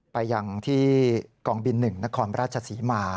ไปยังที่กองบิน๑นครราชศรีมา